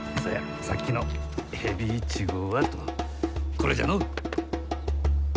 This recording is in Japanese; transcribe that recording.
これじゃのう。